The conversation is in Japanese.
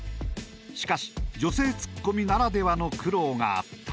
しかし女性ツッコミならではの苦労があった。